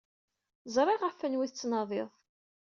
Ẓriɣ ɣef wanwa ay tettnadid.